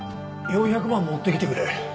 ４００万持ってきてくれ。